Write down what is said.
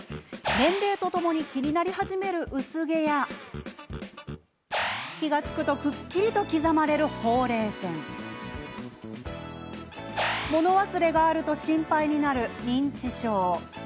年齢とともに気になり始める薄毛や気が付くと、くっきりと刻まれるほうれい線物忘れがあると心配になる認知症。